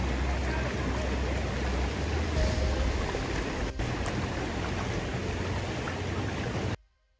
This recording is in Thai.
เมื่อเวลาอันดับสุดท้ายมันกลายเป็นภูมิที่สุดท้าย